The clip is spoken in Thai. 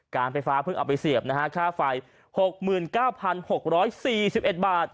การไฟฟ้าเพิ่งเอาไปเสียบนะฮะค่าไฟ๖๙๖๔๑บาท